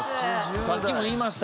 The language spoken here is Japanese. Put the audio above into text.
さっきも言いました。